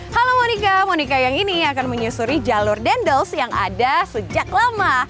halo monika monika yang ini akan menyusuri jalur dendels yang ada sejak lama